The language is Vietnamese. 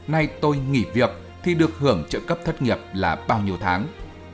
nay tôi nghỉ việc thì được hưởng trợ cấp thất nghiệp là bao nhiêu tháng